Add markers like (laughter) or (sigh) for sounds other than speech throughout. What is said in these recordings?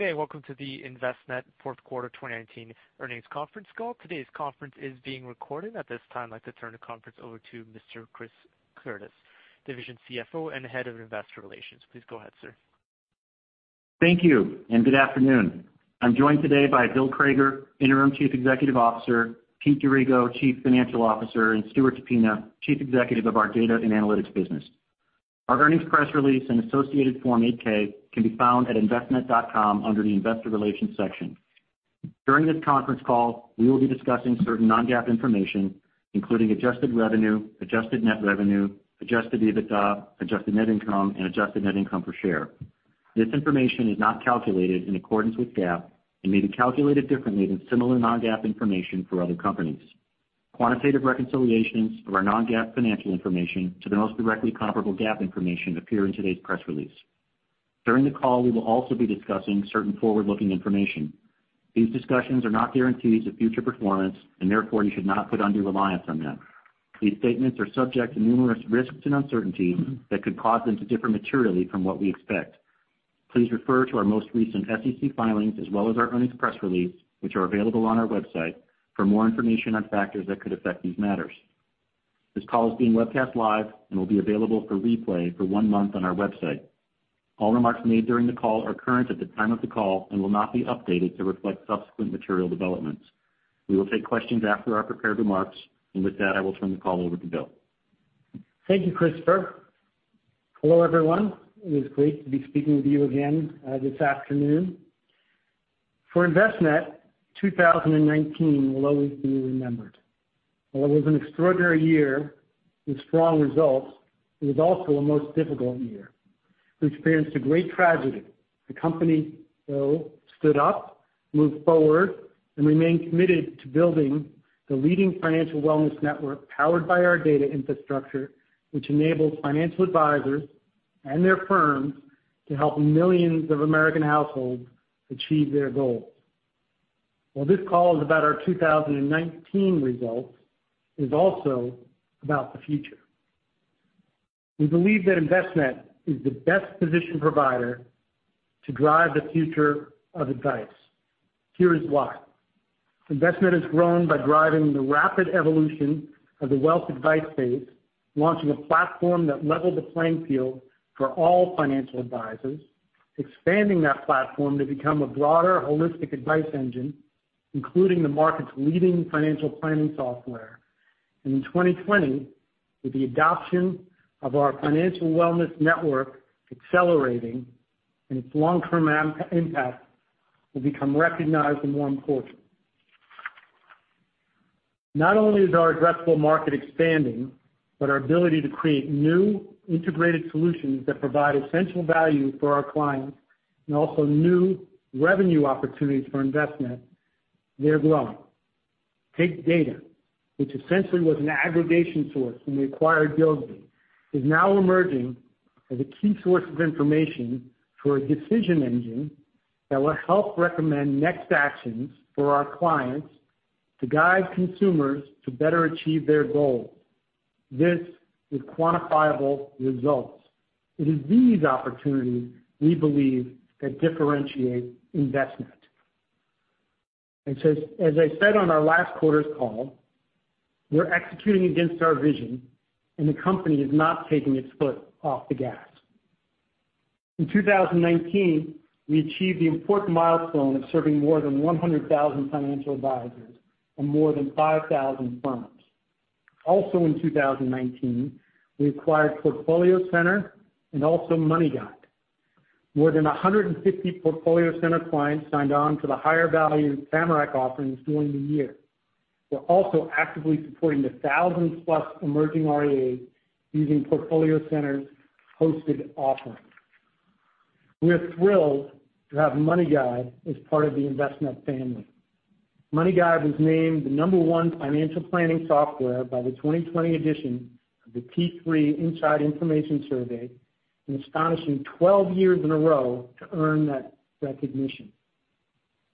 Hey, welcome to the Envestnet fourth quarter 2019 earnings conference call. Today's conference is being recorded. At this time, I'd like to turn the conference over to Mr. Chris Curtis, Division CFO and Head of Investor Relations. Please go ahead, sir. Thank you, and good afternoon. I'm joined today by Bill Crager, Interim Chief Executive Officer, Pete D'Arrigo, Chief Financial Officer, and Stuart DePina, Chief Executive of our Data & Analytics business. Our earnings press release and associated Form 8-K can be found at envestnet.com under the investor relations section. During this conference call, we will be discussing certain non-GAAP information, including adjusted revenue, adjusted net revenue, adjusted EBITDA, adjusted net income, and adjusted net income per share. This information is not calculated in accordance with GAAP and may be calculated differently than similar non-GAAP information for other companies. Quantitative reconciliations of our non-GAAP financial information to the most directly comparable GAAP information appear in today's press release. During the call, we will also be discussing certain forward-looking information. These discussions are not guarantees of future performance, and therefore, you should not put undue reliance on them. These statements are subject to numerous risks and uncertainties that could cause them to differ materially from what we expect. Please refer to our most recent SEC filings as well as our earnings press release, which are available on our website for more information on factors that could affect these matters. This call is being webcast live and will be available for replay for one month on our website. All remarks made during the call are current at the time of the call and will not be updated to reflect subsequent material developments. We will take questions after our prepared remarks. With that, I will turn the call over to Bill. Thank you, Chris. Hello, everyone. It is great to be speaking with you again this afternoon. For Envestnet, 2019 will always be remembered. While it was an extraordinary year with strong results, it was also a most difficult year. We experienced a great tragedy. The company, though, stood up, moved forward, and remained committed to building the leading financial wellness network powered by our data infrastructure, which enables financial advisors and their firms to help millions of American households achieve their goals. While this call is about our 2019 results, it is also about the future. We believe that Envestnet is the best-positioned provider to drive the future of advice. Here is why. Envestnet has grown by driving the rapid evolution of the wealth advice space, launching a platform that leveled the playing field for all financial advisors, expanding that platform to become a broader holistic advice engine, including the market's leading financial planning software. In 2020, with the adoption of our financial wellness network accelerating and its long-term impact will become recognized and more important. Not only is our addressable market expanding, but our ability to create new integrated solutions that provide essential value for our clients and also new revenue opportunities for Envestnet, they're growing. Take data, which essentially was an aggregation source when we acquired Yodlee, is now emerging as a key source of information for a decision engine that will help recommend next actions for our clients to guide consumers to better achieve their goals. This is quantifiable results. It is these opportunities we believe that differentiate Envestnet. As I said on our last quarter's call, we're executing against our vision, and the company is not taking its foot off the gas. In 2019, we achieved the important milestone of serving more than 100,000 financial advisors and more than 5,000 firms. Also in 2019, we acquired PortfolioCenter and also MoneyGuide. More than 150 PortfolioCenter clients signed on to the higher value Tamarac offerings during the year. We're also actively supporting the 1,000+ emerging RIAs using PortfolioCenter's hosted offerings. We are thrilled to have MoneyGuide as part of the Envestnet family. MoneyGuide was named the number one financial planning software by the 2020 edition of the T3/Inside Information Survey, an astonishing 12 years in a row to earn that recognition.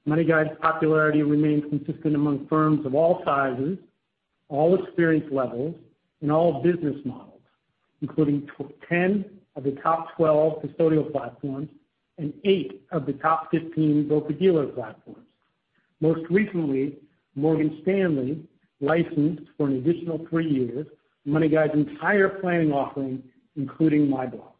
MoneyGuide's popularity remains consistent among firms of all sizes, all experience levels, and all business models, including 10 of the top 12 custodial platforms and eight of the top 15 broker-dealer platforms. Most recently, Morgan Stanley licensed for an additional three years MoneyGuide's entire planning offering, including MyBlocks.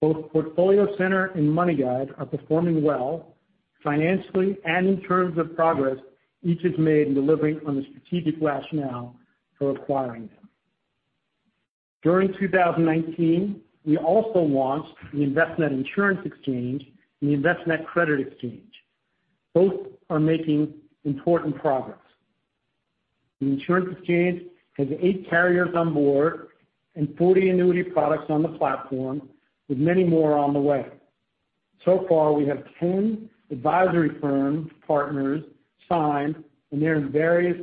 Both PortfolioCenter and MoneyGuide are performing well financially and in terms of progress each has made in delivering on the strategic rationale for acquiring them. During 2019, we also launched the Envestnet Insurance Exchange and the Envestnet Credit Exchange. Both are making important progress. The Insurance Exchange has eight carriers on board and 40 annuity products on the platform, with many more on the way. So far, we have 10 advisory firm partners signed, and they're in various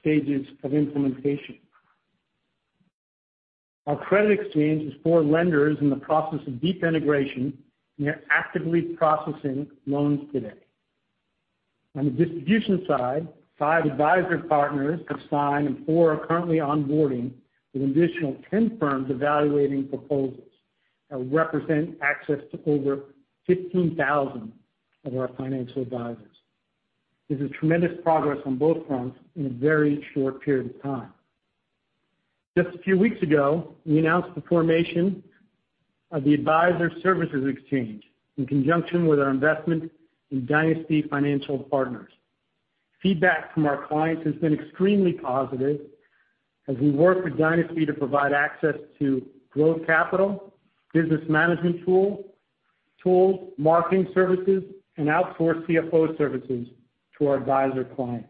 stages of implementation. Our Credit Exchange has four lenders in the process of deep integration, and they're actively processing loans today. On the distribution side, five advisor partners have signed and four are currently onboarding, with an additional 10 firms evaluating proposals that represent access to over 15,000 of our financial advisors. This is tremendous progress on both fronts in a very short period of time. Just a few weeks ago, we announced the formation of the Advisor Services Exchange, in conjunction with our investment in Dynasty Financial Partners. Feedback from our clients has been extremely positive as we work with Dynasty to provide access to growth capital, business management tools, marketing services, and outsource CFO services to our advisor clients.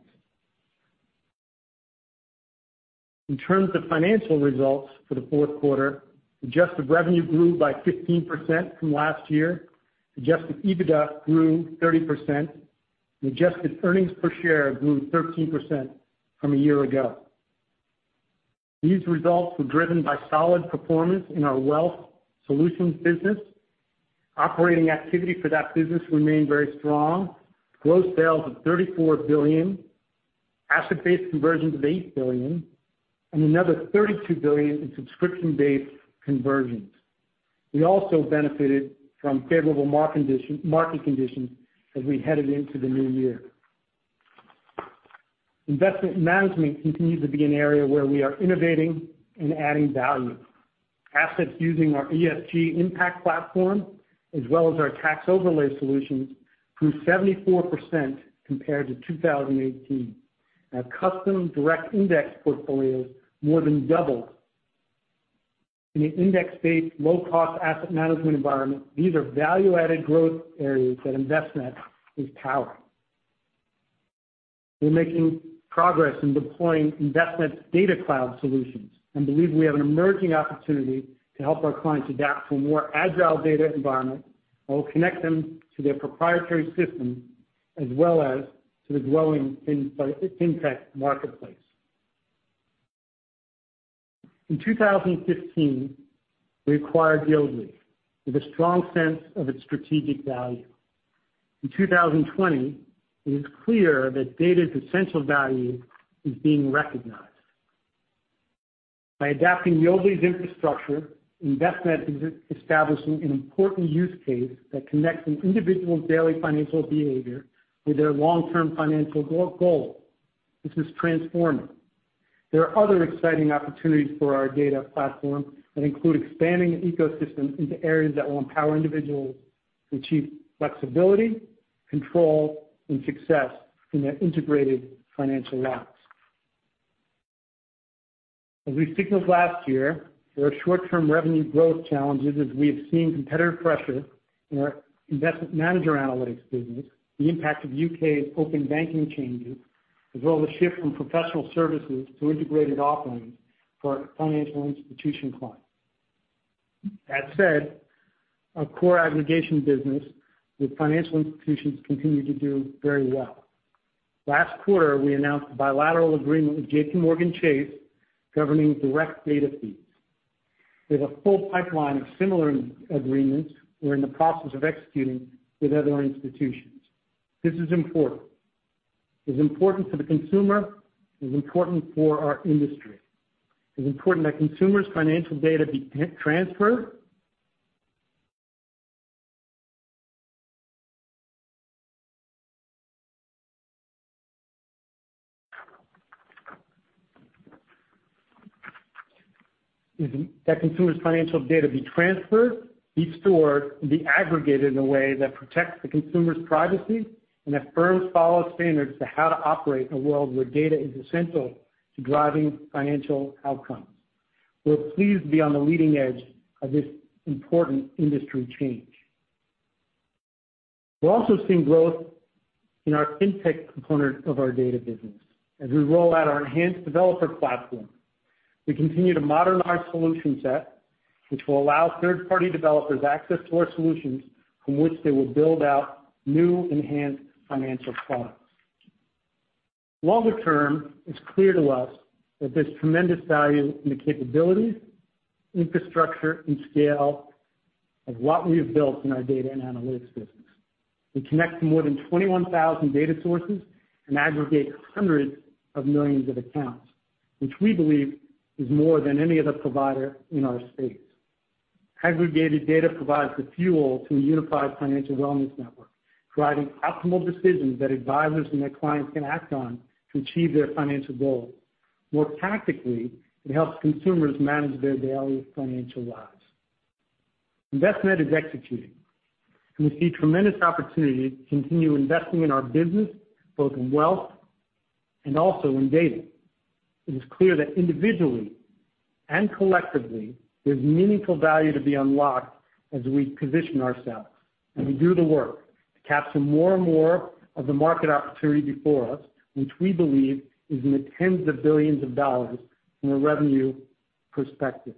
In terms of financial results for the fourth quarter, adjusted revenue grew by 15% from last year, adjusted EBITDA grew 30%, and adjusted earnings per share grew 13% from a year ago. These results were driven by solid performance in our wealth solutions business. Operating activity for that business remained very strong, with gross sales of $34 billion, asset-based conversions of $8 billion, and another $32 billion in subscription-based conversions. We also benefited from favorable market conditions as we headed into the new year. Investment management continues to be an area where we are innovating and adding value. Assets using our ESG impact platform, as well as our tax overlay solutions, grew 74% compared to 2018. Our custom direct index portfolios more than doubled. In an index-based, low-cost asset management environment, these are value-added growth areas that Envestnet is powering. We're making progress in deploying Envestnet data cloud solutions and believe we have an emerging opportunity to help our clients adapt to a more agile data environment while we connect them to their proprietary systems as well as to the growing fintech marketplace. In 2015, we acquired Yodlee with a strong sense of its strategic value. In 2020, it is clear that data's essential value is being recognized. By adapting Yodlee's infrastructure, Envestnet is establishing an important use case that connects an individual's daily financial behavior with their long-term financial goal. This is transforming. There are other exciting opportunities for our data platform that include expanding the ecosystem into areas that will empower individuals to achieve flexibility, control, and success in their integrated financial lives. As we signaled last year, there are short-term revenue growth challenges as we have seen competitive pressure in our investment manager analytics business, the impact of U.K. open banking changes, as well as shift from professional services to integrated offerings for our financial institution clients. That said, our core aggregation business with financial institutions continue to do very well. Last quarter, we announced a bilateral agreement with JPMorgan Chase governing direct data feeds. We have a full pipeline of similar agreements we're in the process of executing with other institutions. This is important. It is important to the consumer, it is important for our industry. It is important that consumers' financial data be transferred. That consumers' financial data be transferred, be stored, and be aggregated in a way that protects the consumer's privacy, and that firms follow standards for how to operate in a world where data is essential to driving financial outcomes. We're pleased to be on the leading edge of this important industry change. We're also seeing growth in our fintech component of our data business. As we roll out our enhanced developer platform, we continue to modernize solution set, which will allow third-party developers access to our solutions from which they will build out new enhanced financial products. Longer term, it's clear to us that there's tremendous value in the capabilities, infrastructure, and scale of what we have built in our Data & Analytics business. We connect to more than 21,000 data sources and aggregate hundreds of millions of accounts, which we believe is more than any other provider in our space. Aggregated data provides the fuel to a unified financial wellness network, providing optimal decisions that advisors and their clients can act on to achieve their financial goals. More tactically, it helps consumers manage their daily financial lives. Envestnet is executing, and we see tremendous opportunity to continue investing in our business, both in wealth and also in data. It is clear that individually and collectively, there's meaningful value to be unlocked as we position ourselves, and we do the work to capture more and more of the market opportunity before us, which we believe is in the tens of billions of dollars from a revenue perspective.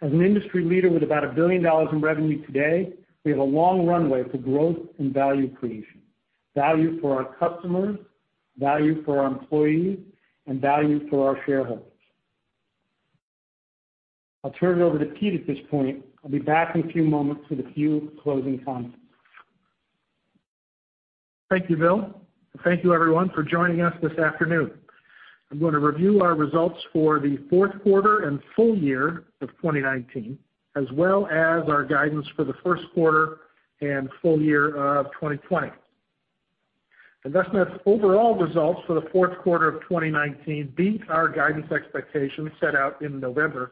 As an industry leader with about $1 billion in revenue today, we have a long runway for growth and value creation, value for our customers, value for our employees, and value for our shareholders. I'll turn it over to Pete at this point. I'll be back in a few moments with a few closing comments. Thank you, Bill. Thank you everyone for joining us this afternoon. I'm going to review our results for the fourth quarter and full year of 2019, as well as our guidance for the first quarter and full year of 2020. Envestnet's overall results for the fourth quarter of 2019 beat our guidance expectations set out in November.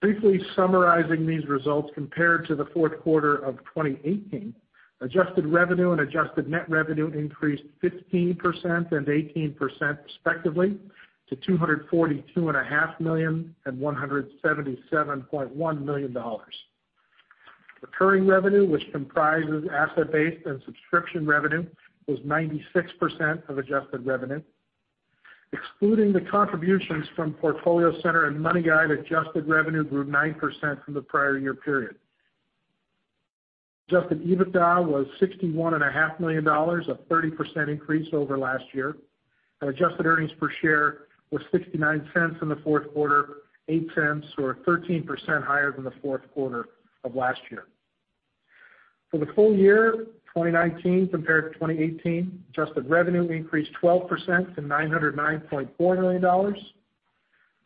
Briefly summarizing these results compared to the fourth quarter of 2018, adjusted revenue and adjusted net revenue increased 15% and 18% respectively, to $242.5 million and $177.1 million. Recurring revenue, which comprises asset base and subscription revenue, was 96% of adjusted revenue. Excluding the contributions from PortfolioCenter and MoneyGuide, adjusted revenue grew 9% from the prior year period. Adjusted EBITDA was $61.5 million, a 30% increase over last year. Adjusted earnings per share was $0.69 in the fourth quarter, $0.08 or 13% higher than the fourth quarter of last year. For the full year 2019 compared to 2018, adjusted revenue increased 12% to $909.4 million.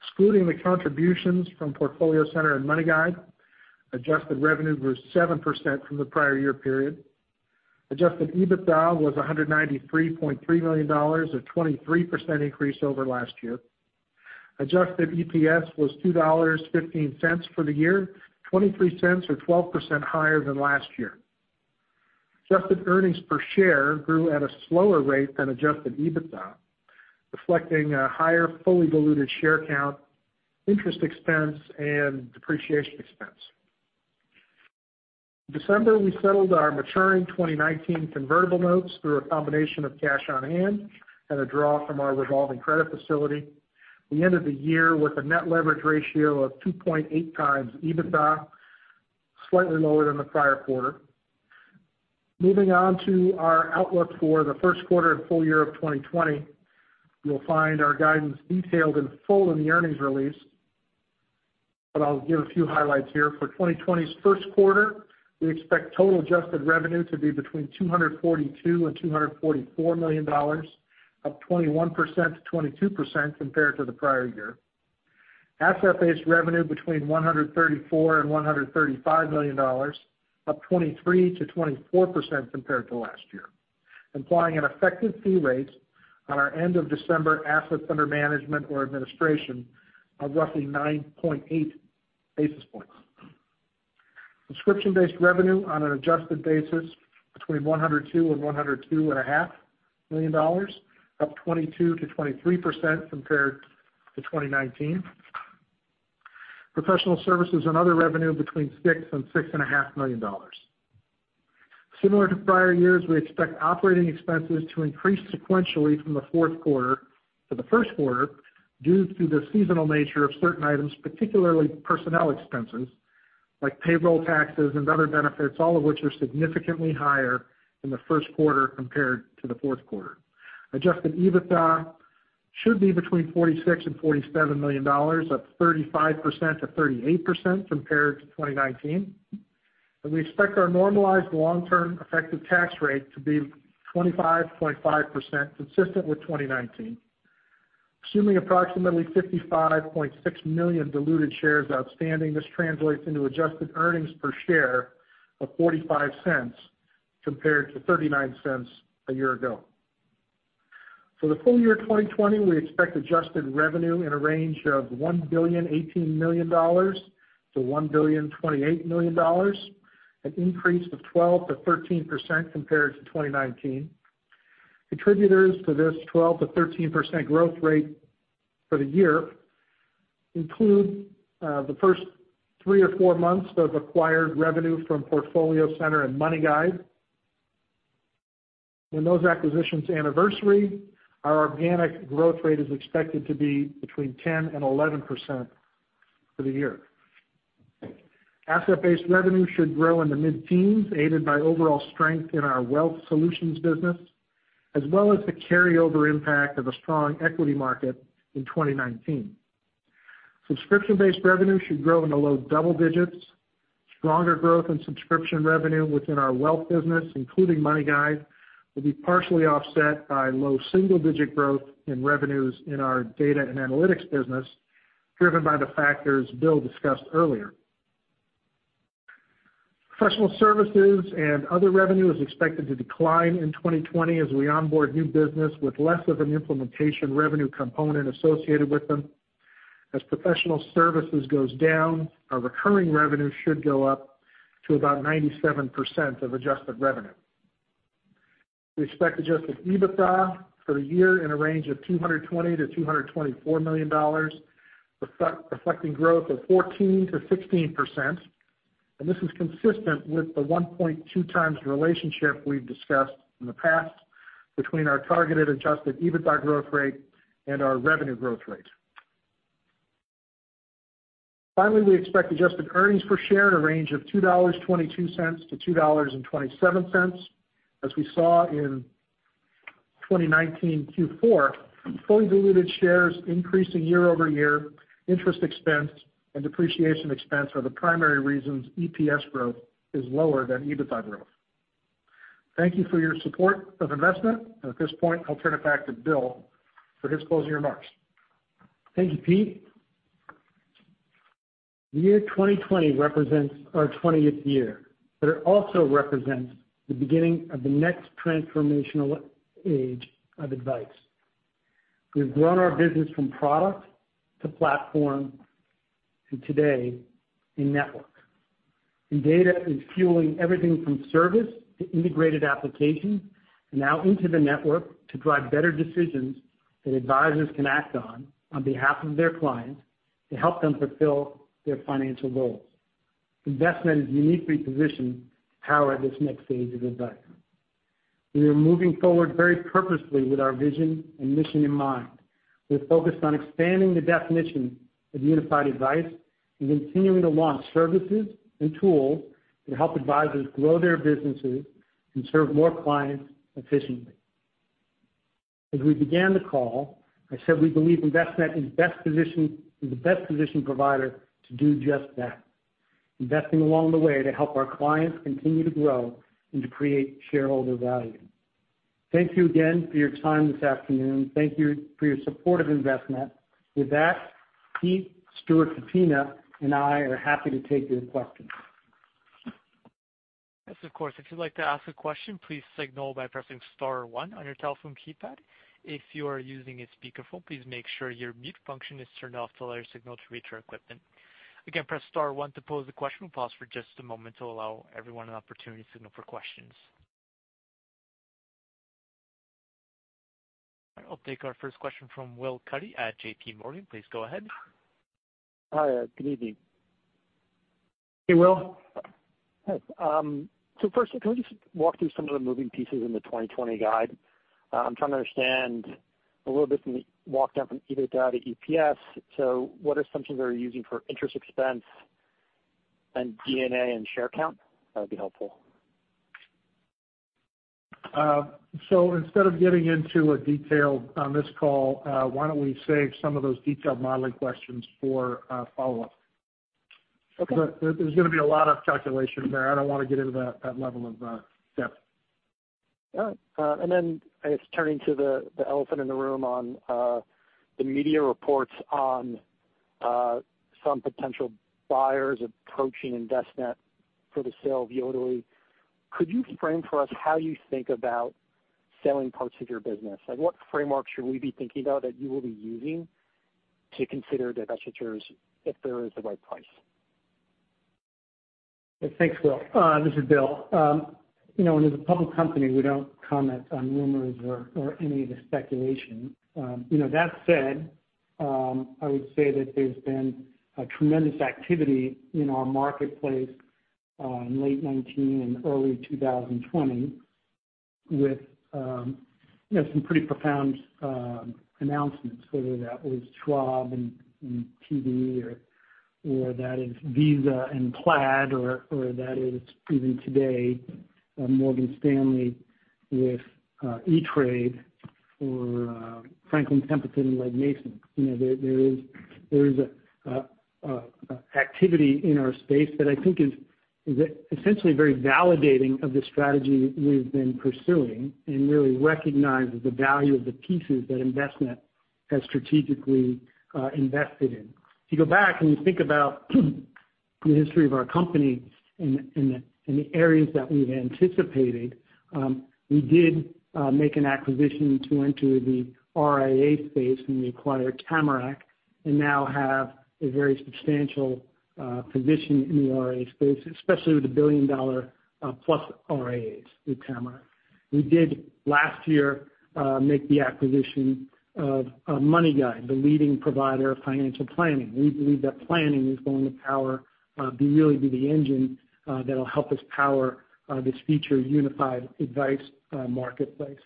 Excluding the contributions from PortfolioCenter and MoneyGuide, adjusted revenue grew 7% from the prior year period. Adjusted EBITDA was $193.3 million, a 23% increase over last year. Adjusted EPS was $2.15 for the year, $0.23 or 12% higher than last year. Adjusted earnings per share grew at a slower rate than adjusted EBITDA, reflecting a higher fully diluted share count, interest expense, and depreciation expense. In December, we settled our maturing 2019 convertible notes through a combination of cash on hand and a draw from our revolving credit facility. We end of the year with a net leverage ratio of 2.8x EBITDA, slightly lower than the prior quarter. Moving on to our outlook for the first quarter and full year of 2020. You'll find our guidance detailed in full in the earnings release. I'll give a few highlights here. For 2020's first quarter, we expect total adjusted revenue to be between $242 million and $244 million, up 21%-22% compared to the prior year. Asset-based revenue between $134 million and $135 million, up 23%-24% compared to last year, implying an effective fee rate on our end of December assets under management or administration of roughly 9.8 basis points. Subscription-based revenue on an adjusted basis between $102 million and $102.5 million, up 22%-23% compared to 2019. Professional services and other revenue between $6 million and $6.5 million. Similar to prior years, we expect operating expenses to increase sequentially from the fourth quarter to the first quarter due to the seasonal nature of certain items, particularly personnel expenses like payroll taxes and other benefits, all of which are significantly higher in the first quarter compared to the fourth quarter. Adjusted EBITDA should be between $46 million and $47 million, up 35%-38% compared to 2019. We expect our normalized long-term effective tax rate to be 25.5%, consistent with 2019. Assuming approximately 55.6 million diluted shares outstanding, this translates into adjusted earnings per share of $0.45 compared to $0.39 a year ago. For the full year 2020, we expect adjusted revenue in a range of $1.018 billion-$1.028 billion an increase of 12%-13% compared to 2019. Contributors to this 12%-13% growth rate for the year include the first three or four months of acquired revenue from PortfolioCenter and MoneyGuide. When those acquisitions anniversary, our organic growth rate is expected to be between 10% and 11% for the year. Asset-based revenue should grow in the mid-teens, aided by overall strength in our wealth solutions business, as well as the carryover impact of a strong equity market in 2019. Subscription-based revenue should grow in the low double digits. Stronger growth in subscription revenue within our wealth business, including MoneyGuide, will be partially offset by low single-digit growth in revenues in our Data & Analytics business, driven by the factors Bill discussed earlier. Professional services and other revenue is expected to decline in 2020 as we onboard new business with less of an implementation revenue component associated with them. As professional services goes down, our recurring revenue should go up to about 97% of adjusted revenue. We expect adjusted EBITDA for the year in a range of $220 million-$224 million, reflecting growth of 14%-16%. This is consistent with the 1.2x relationship we've discussed in the past between our targeted adjusted EBITDA growth rate and our revenue growth rate. Finally, we expect adjusted earnings per share in a range of $2.22-$2.27. As we saw in 2019 Q4, fully diluted shares increasing year-over-year, interest expense and depreciation expense are the primary reasons EPS growth is lower than EBITDA growth. Thank you for your support of Envestnet. At this point, I'll turn it back to Bill for his closing remarks. Thank you, Pete. The year 2020 represents our 20th year, but it also represents the beginning of the next transformational age of advice. We've grown our business from product to platform to today in network. Data is fueling everything from service to integrated applications, and now into the network to drive better decisions that advisors can act on behalf of their clients to help them fulfill their financial goals. Envestnet is uniquely positioned to power this next stage of advice. We are moving forward very purposefully with our vision and mission in mind. We're focused on expanding the definition of unified advice and continuing to launch services and tools that help advisors grow their businesses and serve more clients efficiently. As we began the call, I said we believe Envestnet is the best positioned provider to do just that, investing along the way to help our clients continue to grow and to create shareholder value. Thank you again for your time this afternoon. Thank you for your support of Envestnet. With that, Pete, Stuart DePina, and I are happy to take your questions. Yes, of course. If you'd like to ask a question, please signal by pressing star one on your telephone keypad. If you are using a speakerphone, please make sure your mute function is turned off to allow your signal to reach our equipment. Again, press star one to pose a question. We'll pause for just a moment to allow everyone an opportunity to signal for questions. I'll take our first question from Will Cuddy at JPMorgan. Please go ahead. Hi. Good evening. Hey, Will. Hi. First, can we just walk through some of the moving pieces in the 2020 guide? I'm trying to understand a little bit from the walk down from EBITDA to EPS. What assumptions are you using for interest expense and D&A and share count? That would be helpful. Instead of getting into a detail on this call, why don't we save some of those detailed modeling questions for a follow-up? Okay. There's going to be a lot of calculation there. I don't want to get into that level of depth. Got it. All right. I guess turning to the elephant in the room on the media reports on some potential buyers approaching Envestnet for the sale of Yodlee. Could you frame for us how you think about selling parts of your business? What framework should we be thinking about that you will be using to consider divestitures if there is the right price? Thanks, Will. This is Bill. As a public company, we don't comment on rumors or any of the speculation. That said, I would say that there's been a tremendous activity in our marketplace, in late 2019 and early 2020 with some pretty profound announcements, whether that was Schwab and TD or that is Visa and Plaid or that is even today, Morgan Stanley with E*TRADE or Franklin Templeton and Legg Mason. There is activity in our space that I think is essentially very validating of the strategy we've been pursuing and really recognizes the value of the pieces that Envestnet has strategically invested in. If you go back and you think about the history of our company and the areas that we've anticipated, we did make an acquisition to enter the RIA space when we acquired Tamarac and now have a very substantial position in the RIA space, especially with the billion-dollar plus RIAs with Tamarac. We did last year make the acquisition of MoneyGuide, the leading provider of financial planning. We believe that planning is going to really be the engine that'll help us power this future unified advice marketplace.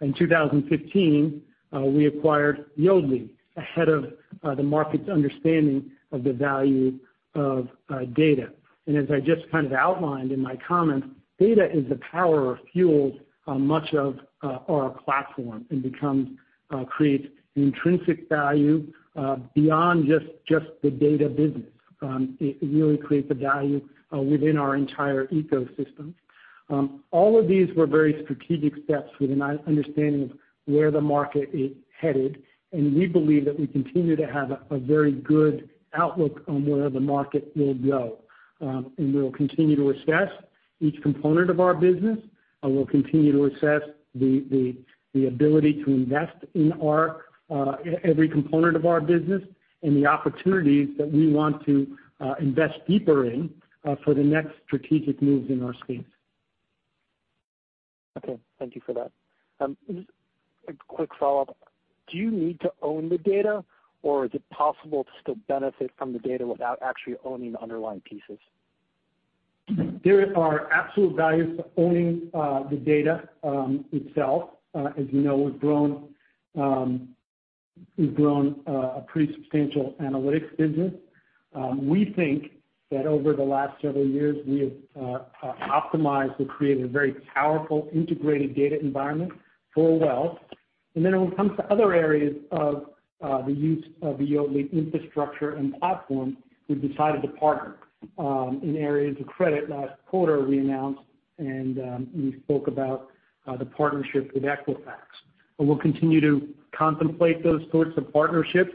In 2015, we acquired Yodlee ahead of the market's understanding of the value of data. As I just outlined in my comments, data is the power or fuel much of our platform and creates intrinsic value beyond just the data business. It really creates the value within our entire ecosystem. All of these were very strategic steps with an understanding of where the market is headed, we believe that we continue to have a very good outlook on where the market will go. We'll continue to assess each component of our business, we'll continue to assess the ability to invest in every component of our business and the opportunities that we want to invest deeper in for the next strategic moves in our. (audio distortion) Okay. Thank you for that. Just a quick follow-up. Do you need to own the data, or is it possible to still benefit from the data without actually owning the underlying pieces? There are absolute values to owning the data itself. As you know, we've grown a pretty substantial analytics business. We think that over the last several years, we have optimized or created a very powerful integrated data environment for wealth. When it comes to other areas of the use of the Yodlee infrastructure and platform, we've decided to partner. In areas of credit last quarter, we announced, and we spoke about the partnership with Equifax. We'll continue to contemplate those sorts of partnerships.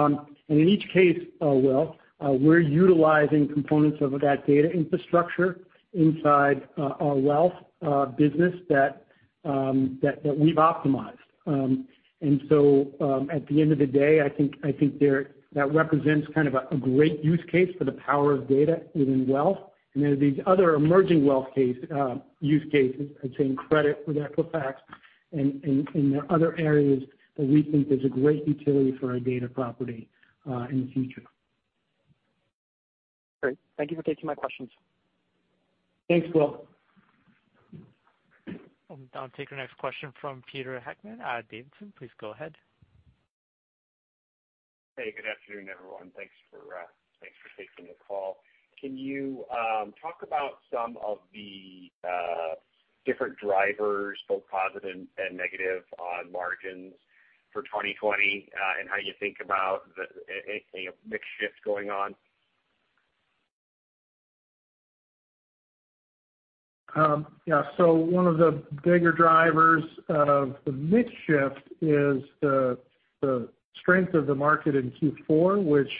In each case, well, we're utilizing components of that data infrastructure inside our wealth business that we've optimized. At the end of the day, I think that represents kind of a great use case for the power of data within wealth. These other emerging wealth use cases, I'd say in credit with Equifax and in other areas that we think there's a great utility for our data property in the future. Great. Thank you for taking my questions. Thanks, Will. I'll take our next question from Peter Heckmann at Davidson. Please go ahead. Hey, good afternoon, everyone. Thanks for taking the call. Can you talk about some of the different drivers, both positive and negative on margins for 2020, and how you think about anything of mix shift going on? Yeah. One of the bigger drivers of the mix shift is the strength of the market in Q4, which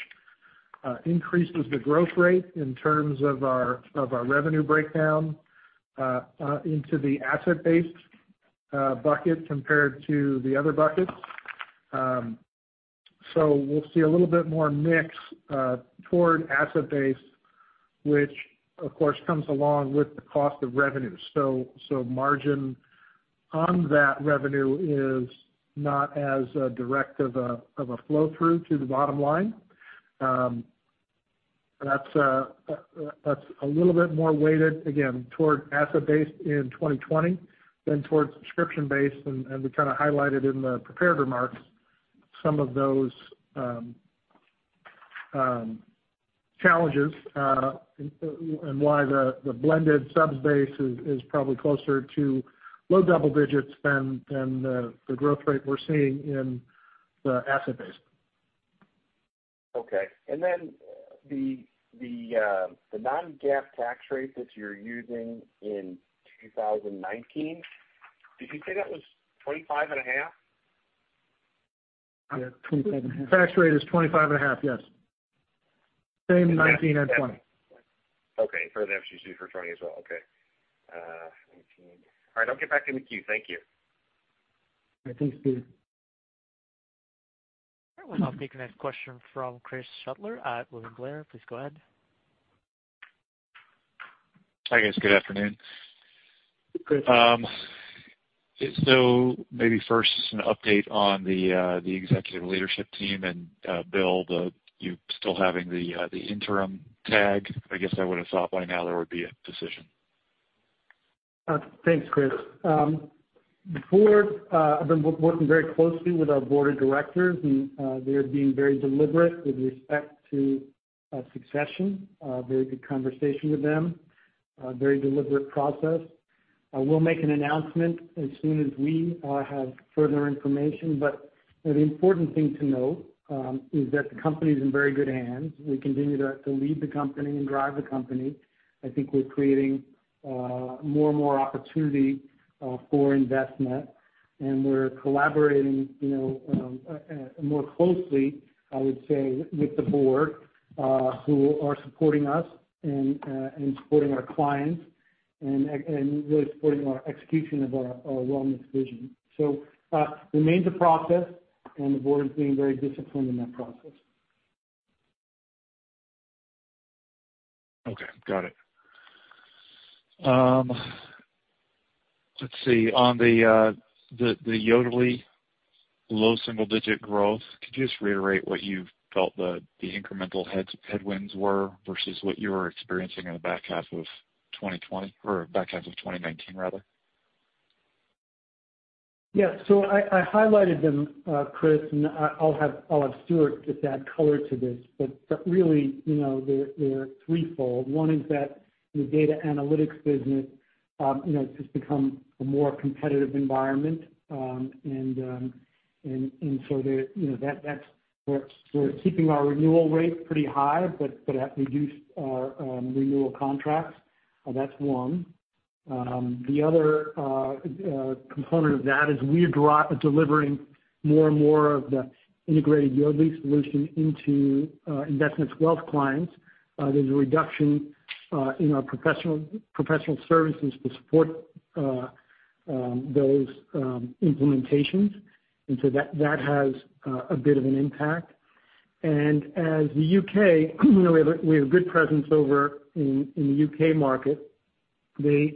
increases the growth rate in terms of our revenue breakdown into the asset-based bucket compared to the other buckets. We'll see a little bit more mix toward asset base, which of course comes along with the cost of revenue. Margin on that revenue is not as direct of a flow-through to the bottom line. That's a little bit more weighted, again, toward asset base in 2020 than towards subscription base. We kind of highlighted in the prepared remarks some of those challenges, and why the blended subs base is probably closer to low double digits than the growth rate we're seeing in the asset base. Okay. The non-GAAP tax rate that you're using in 2019, did you say that was 25.5%? Yeah, 25.5%. Tax rate is 25.5%. Yes. Same in 2019 and 2020. Okay. For the FCC for 2020 as well. Okay. All right, I'll get back in the queue. Thank you. All right. Thanks, Peter. All right, we'll now take the next question from Chris Shutler at William Blair. Please go ahead. Hi, guys. Good afternoon. Maybe first an update on the executive leadership team, and Bill, you still having the interim tag. I guess I would've thought by now there would be a decision. Thanks, Chris. I've been working very closely with our board of directors, and they're being very deliberate with respect to succession. Very good conversation with them. Very deliberate process. We'll make an announcement as soon as we have further information. The important thing to note is that the company's in very good hands. We continue to lead the company and drive the company. I think we're creating more and more opportunity for investment. We're collaborating more closely, I would say, with the board, who are supporting us and supporting our clients and really supporting our execution of our wellness vision. Remains a process, and the board is being very disciplined in that process. Okay. Got it. Let's see. On the Yodlee low single-digit growth, could you just reiterate what you felt the incremental headwinds were versus what you were experiencing in the back half of 2019 rather? I highlighted them, Chris, and I'll have Stuart just add color to this. Really they're threefold. One is that the data analytics business has become a more competitive environment. We're keeping our renewal rate pretty high, but at reduced renewal contracts. That's one. The other component of that is we are delivering more and more of the integrated Yodlee solution into Envestnet's wealth clients. There's a reduction in our professional services to support those implementations. That has a bit of an impact. As the U.K., we have a good presence over in the U.K. market. They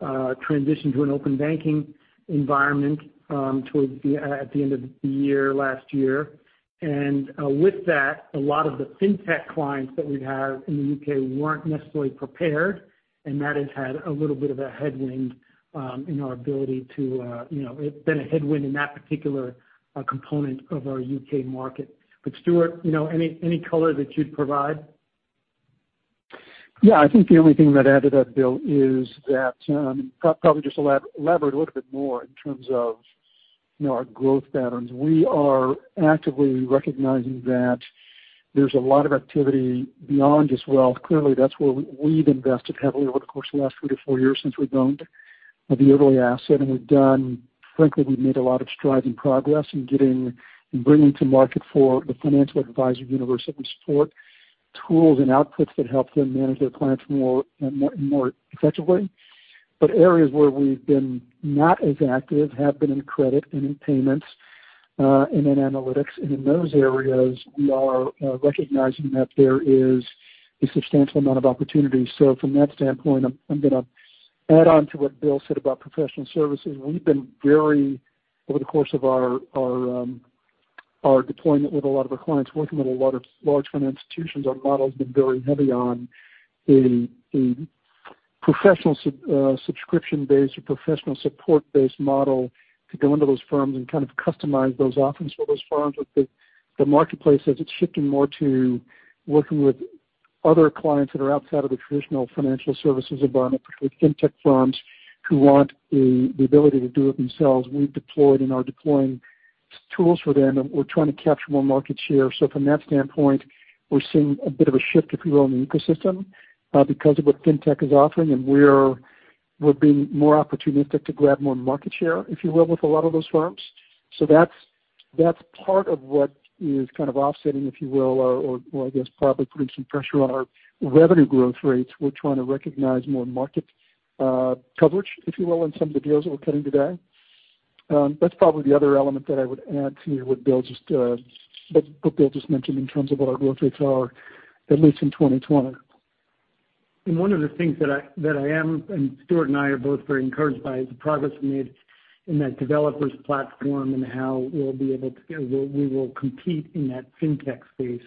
transitioned to an open banking environment at the end of the year last year. With that, a lot of the fintech clients that we have in the U.K. weren't necessarily prepared, and that has had a little bit of a headwind. It's been a headwind in that particular component of our U.K. market. Stuart, any color that you'd provide? Yeah, I think the only thing that I'd add to that, Bill, is that, probably just elaborate a little bit more in terms of our growth patterns. We are actively recognizing that there's a lot of activity beyond just wealth. Clearly, that's where we've invested heavily over the course of the last three to four years since we've owned the Yodlee asset. Frankly, we've made a lot of strides and progress in bringing to market for the financial advisor universe that we support, tools and outputs that help them manage their clients more effectively. Areas where we've been not as active have been in credit and in payments, and in analytics. In those areas, we are recognizing that there is a substantial amount of opportunity. From that standpoint, I'm going to add on to what Bill said about professional services. Over the course of our deployment with a lot of our clients, working with a lot of large financial institutions, our model's been very heavy on a professional subscription base or professional support-based model to go into those firms and kind of customize those offerings for those firms. The marketplace says it's shifting more to working with other clients that are outside of the traditional financial services environment, (audio distortion) fintech firms, who want the ability to do it themselves. We've deployed and are deploying tools for them, and we're trying to capture more market share. From that standpoint, we're seeing a bit of a shift, if you will, in the ecosystem because of what fintech is offering, and we're being more opportunistic to grab more market share, if you will, with a lot of those firms. That's part of what is kind of offsetting, if you will, or I guess probably putting some pressure on our revenue growth rates. We're trying to recognize more market coverage, if you will, in some of the deals that we're cutting today. That's probably the other element that I would add to what Bill just mentioned in terms of what our growth rates are, at least in 2020. One of the things that I am, and Stuart and I are both very encouraged by, is the progress we made in that developers platform and how we will compete in that fintech space.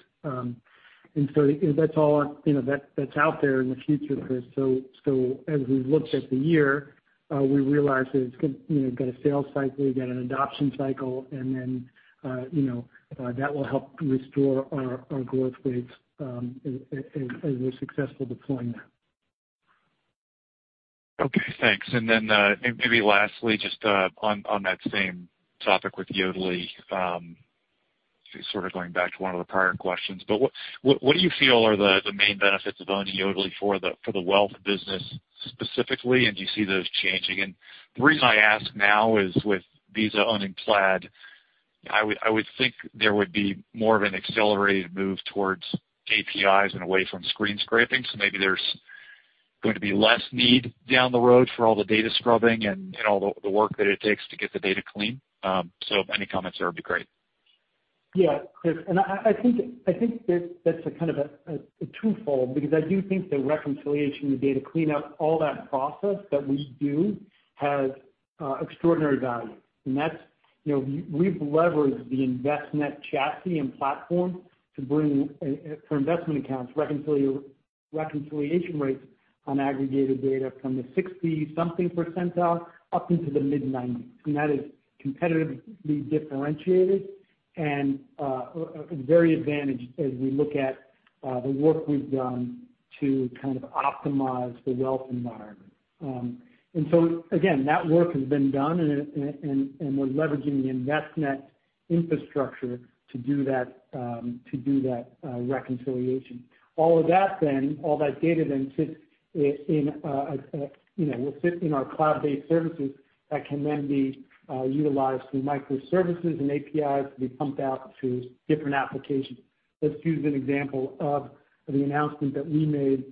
That's out there in the future, Chris. As we looked at the year, we realized that it's got a sales cycle, you got an adoption cycle, and then that will help restore our growth rates as we're successful deploying that. Okay, thanks. Maybe lastly, just on that same topic with Yodlee, sort of going back to one of the prior questions. What do you feel are the main benefits of owning Yodlee for the wealth business specifically, and do you see those changing? The reason I ask now is with Visa owning Plaid, I would think there would be more of an accelerated move towards APIs and away from screen scraping. Maybe there's going to be less need down the road for all the data scrubbing and all the work that it takes to get the data clean. Any comments there would be great. Yeah, Chris. I think that's a kind of a twofold, because I do think the reconciliation, the data cleanup, all that process that we do has extraordinary value. We've leveraged the Envestnet chassis and platform for investment accounts, reconciliation rates on aggregated data from the 60 something percentile up into the mid-90s. That is competitively differentiated and very advantaged as we look at the work we've done to kind of optimize the wealth environment. Again, that work has been done, and we're leveraging the Envestnet infrastructure to do that reconciliation. All that data then will sit in our cloud-based services that can then be utilized through microservices and APIs to be pumped out to different applications. Let's use an example of the announcement that we made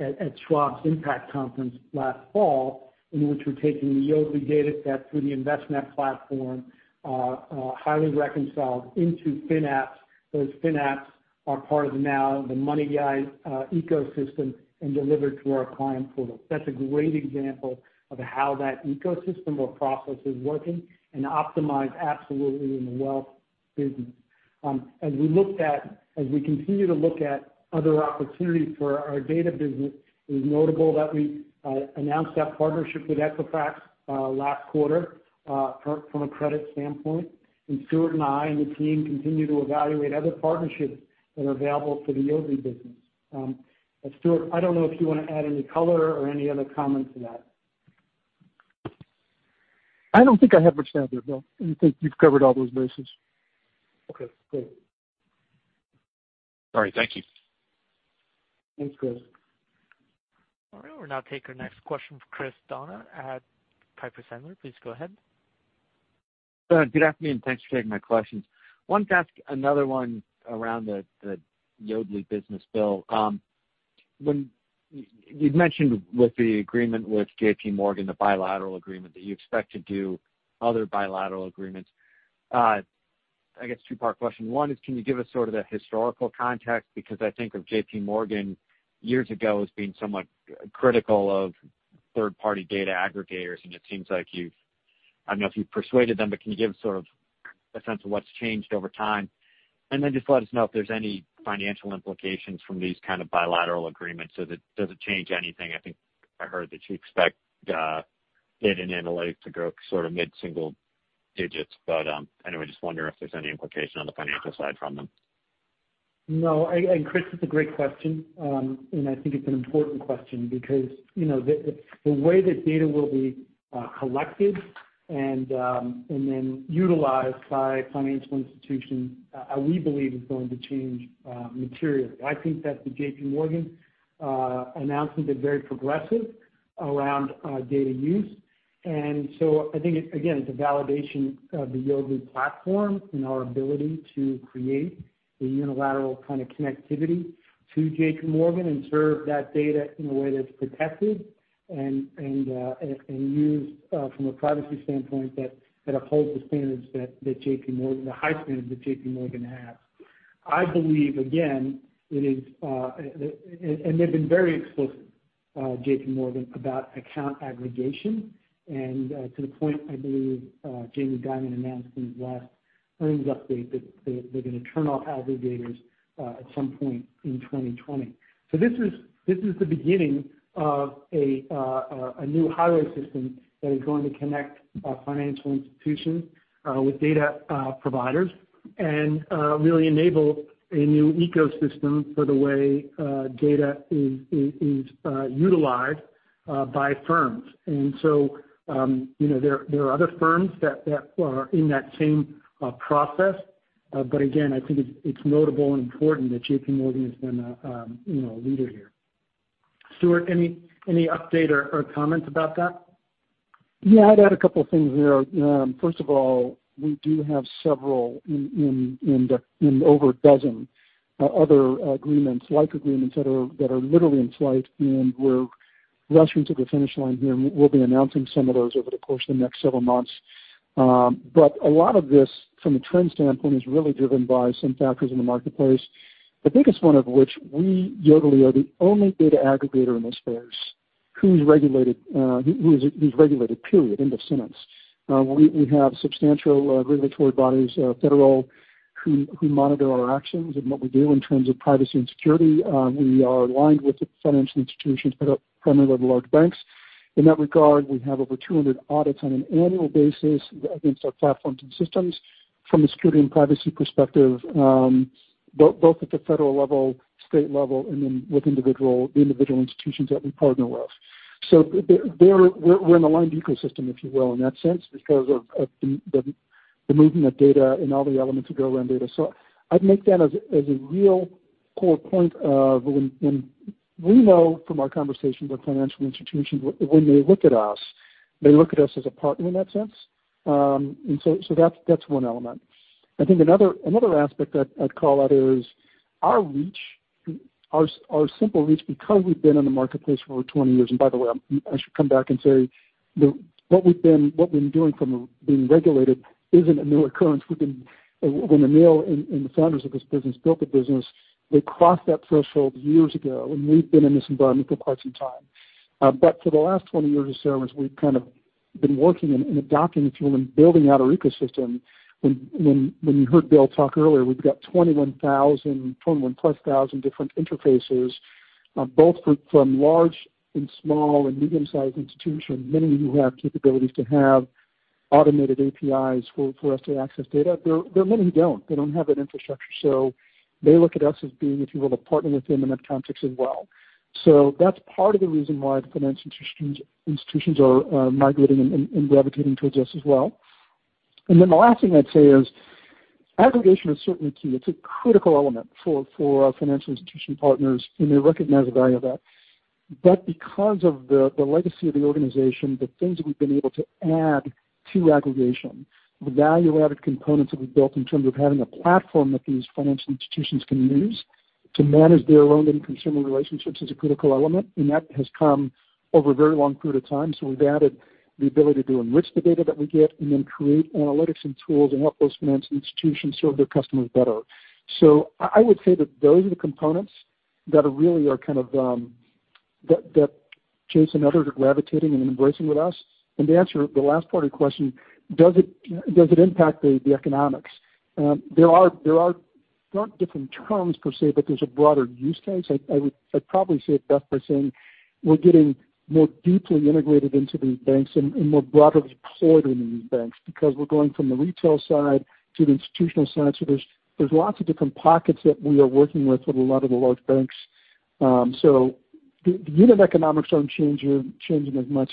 at Schwab IMPACT conference last fall, in which we're taking the Yodlee data set through the Envestnet platform, highly reconciled into FinApps. Those FinApps are part of now the MoneyGuide ecosystem and delivered through our client portal. That's a great example of how that ecosystem or process is working and optimized absolutely in the wealth business. As we continue to look at other opportunities for our data business, it was notable that we announced that partnership with Equifax last quarter from a credit standpoint. Stuart and I and the team continue to evaluate other partnerships that are available for the Yodlee business. Stuart, I don't know if you want to add any color or any other comment to that. I don't think I have much to add there, Bill. I think you've covered all those bases. Okay, great. All right. Thank you. Thanks, Chris. All right. We'll now take our next question from Chris Donat at Piper Sandler. Please go ahead. Good afternoon. Thanks for taking my questions. Wanted to ask another one around the Yodlee business, Bill. You'd mentioned with the agreement with JPMorgan, the bilateral agreement, that you expect to do other bilateral agreements. I guess two-part question. One is, can you give us sort of the historical context? I think of JPMorgan years ago as being somewhat critical of third-party data aggregators, and it seems like you've I don't know if you've persuaded them, but can you give sort of a sense of what's changed over time? Just let us know if there's any financial implications from these kind of bilateral agreements. Does it change anything? I think I heard that you expect Data & Analytics to grow sort of mid-single digits. Anyway, just wonder if there's any implication on the financial side from them. No. Chris, it's a great question. I think it's an important question because the way that data will be collected and then utilized by financial institutions, we believe is going to change materially. I think that the JPMorgan announcement is very progressive around data use. I think, again, it's a validation of the Yodlee platform and our ability to create a unilateral kind of connectivity to JPMorgan and serve that data in a way that's protected and used from a privacy standpoint that upholds the high standards that JPMorgan has. I believe, again, they've been very explicit, JPMorgan, about account aggregation. To the point, I believe Jamie Dimon announced in his last earnings update that they're going to turn off aggregators at some point in 2020. This is the beginning of a new highway system that is going to connect financial institutions with data providers and really enable a new ecosystem for the way data is utilized by firms. There are other firms that are in that same process. Again, I think it's notable and important that JPMorgan has been a leader here. Stuart, any update or comments about that? Yeah, I'd add a couple of things there. First of all, we do have several in the over a dozen other agreements, like agreements that are literally in flight, and we're rushing to the finish line here, and we'll be announcing some of those over the course of the next several months. A lot of this, from a trend standpoint, is really driven by some factors in the marketplace. The biggest one of which we, Yodlee, are the only data aggregator in this space who's regulated period, end of sentence. We have substantial regulatory bodies, federal, who monitor our actions and what we do in terms of privacy and security. We are aligned with the financial institutions, primarily the large banks. In that regard, we have over 200 audits on an annual basis against our platforms and systems from a security and privacy perspective both at the federal level, state level, and then with the individual institutions that we partner with. We're in an aligned ecosystem, if you will, in that sense because of the movement of data and all the elements that go around data. I'd make that as a real core point of when we know from our conversations with financial institutions, when they look at us, they look at us as a partner in that sense. That's one element. I think another aspect that I'd call out is our simple reach because we've been in the marketplace for over 20 years. By the way, I should come back and say, what we've been doing from being regulated isn't a new occurrence. When Anil and the founders of this business built the business, they crossed that threshold years ago, and we've been in this environment for quite some time. For the last 20 years or so, as we've kind of been working and adapting, if you will, and building out our ecosystem. When you heard Bill talk earlier, we've got 21,000+ different interfaces both from large and small and medium-sized institutions, many who have capabilities to have automated APIs for us to access data. There are many who don't. They don't have that infrastructure. They look at us as being, if you will, a partner with them in that context as well. The last thing I'd say is aggregation is certainly key. It's a critical element for our financial institution partners, and they recognize the value of that. Because of the legacy of the organization, the things that we've been able to add to aggregation, the value-added components that we've built in terms of having a platform that these financial institutions can use to manage their loan and consumer relationships is a critical element, and that has come over a very long period of time. We've added the ability to enrich the data that we get and then create analytics and tools and help those financial institutions serve their customers better. I would say that those are the components that Chase and others are gravitating and embracing with us. To answer the last part of your question, does it impact the economics? There aren't different terms per se, but there's a broader use case. I'd probably say it best by saying we're getting more deeply integrated into these banks and more broadly deployed into these banks because we're going from the retail side to the institutional side. There's lots of different pockets that we are working with at a lot of the large banks. The unit economics aren't changing as much